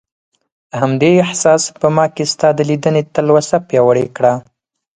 همدې احساس په ما کې ستا د لیدنې تلوسه پیاوړې کړه.